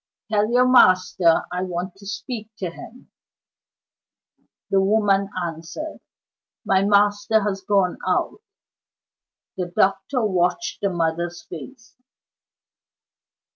"Tell your master I want to speak to him." The woman answered: "My master has gone out." The doctor watched the mother's face.